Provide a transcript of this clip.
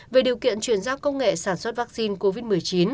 về điều kiện chuyển giao công nghệ sản xuất vaccine covid một mươi chín